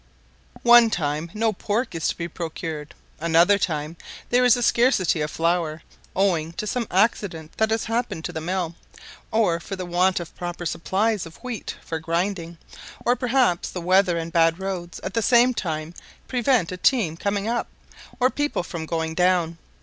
One time no pork is to be procured; another time there is a scarcity of flour, owing to some accident that has happened to the mill, or for the want of proper supplies of wheat for grinding; or perhaps the weather and bad roads at the same time prevent a team coming up, or people from going down.